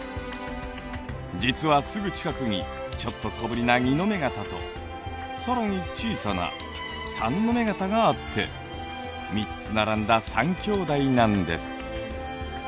実はすぐ近くにちょっと小ぶりな二ノ目潟と更に小さな三ノ目潟があって３つ並んだ三きょうだいなんです。